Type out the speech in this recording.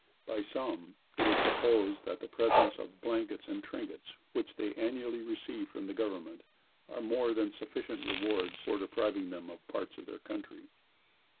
By some, it is supposed that the presents of blankets and trinkets which they annually receive from government, are more than sufficient rewards for depriving them of parts of their country.